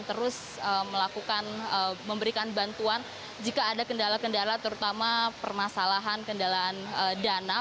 terus melakukan memberikan bantuan jika ada kendala kendala terutama permasalahan kendalaan dana